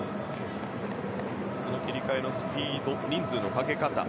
その切り替えのスペース人数のかけ方。